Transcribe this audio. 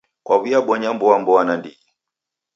Kwaw'iabonya mboamboa nandighi.